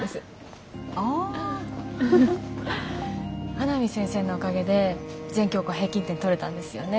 阿南先生のおかげで全教科平均点とれたんですよね。